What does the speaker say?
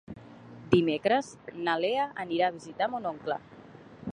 Dimecres na Lea anirà a visitar mon oncle.